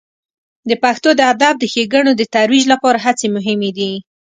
د پښتو د ادب د ښیګڼو د ترویج لپاره هڅې مهمې دي.